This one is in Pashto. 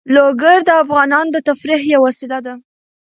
لوگر د افغانانو د تفریح یوه وسیله ده.